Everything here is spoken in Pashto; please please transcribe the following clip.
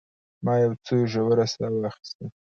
ما یو څه ژوره ساه واخیسته.